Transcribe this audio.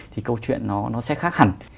thì câu chuyện nó sẽ khác hẳn